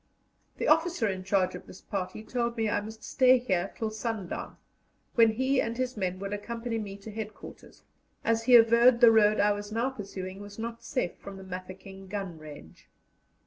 The officer in charge of this party told me I must stay here till sundown, when he and his men would accompany me to headquarters, as he averred the road I was now pursuing was not safe from the Mafeking gun range.